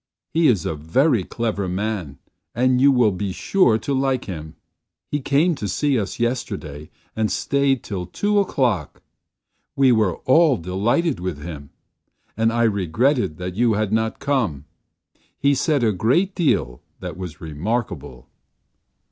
"He is a very clever man, and you will be sure to like him. He came to see us yesterday and stayed till two o'clock. We were all delighted with him, and I regretted that you had not come. He said a great deal that was remarkable."